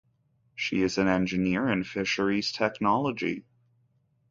She is an engineer in fisheries technology.